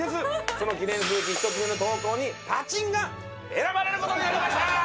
この記念すべき１つ目の投稿に「パチンッ」が選ばれる事になりました！